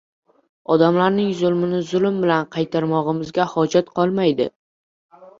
odamlarning zulmini zulm bilan qaytarmog‘imizga hojat qolmaydi.